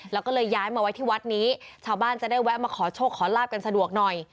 แล้วก็เลยย้ายมาไว้ที่วัดนี้ชาวบ้านจะได้แวะมาขอโชคขอลาบกันสะดวกหน่อย